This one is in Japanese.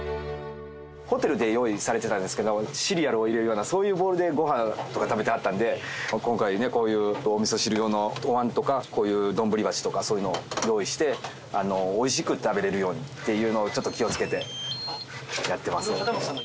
ホテルで用意されてたんですけど、シリアルを入れるような、そういうボウルでごはんとか食べてはったんで、今回ね、こういうおみそ汁用のおわんとか、こういう丼鉢とかそういうのを用意して、おいしく食べれるようにっていうのを、ちょっと気をつけてやってます。